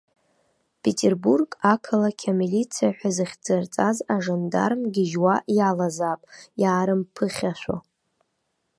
Петербург ақалақь амилициа ҳәа зыхьӡырҵаз ажандарм гьежьуа иалазаап, иаарымԥыхьашәо.